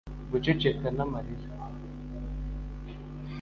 guceceka n'amarira.